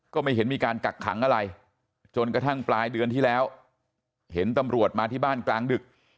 ก็ไม่เห็นมีการกักขังอะไรจนกระทั่งปลายเดือนที่แล้วเห็นตำรวจมาที่บ้านกลางดึก